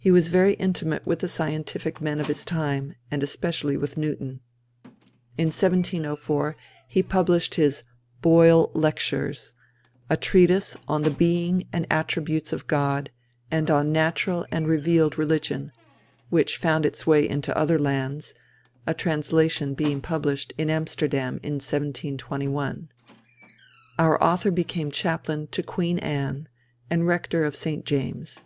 He was very intimate with the scientific men of his time, and especially with Newton. In 1704 he published his Boyle Lectures, A Treatise on the Being and Attributes of God, and on Natural and Revealed Religion, which found its way into other lands, a translation being published in Amsterdam in 1721. Our author became chaplain to Queen Anne and Rector of St. James's.